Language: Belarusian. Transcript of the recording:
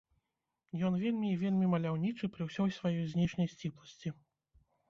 Ён вельмі і вельмі маляўнічы пры ўсёй сваёй знешняй сціпласці.